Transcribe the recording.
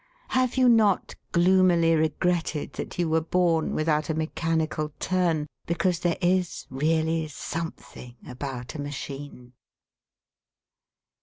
Have you not gloomily regretted that you were born without a mechanical turn, because there is really something about a machine...?